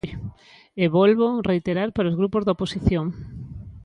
E vólvoo reiterar para os grupos da oposición.